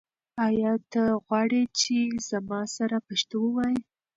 آیا ته غواړې چې زما سره پښتو ووایې؟